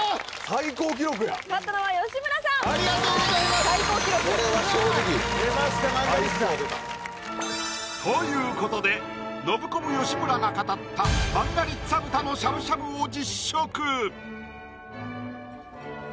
最高出た！ということで「ノブコブ」・吉村が語ったマンガリッツァ豚のしゃぶしゃぶを実食！